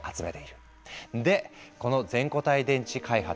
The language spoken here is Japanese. でこの全固体電池開発。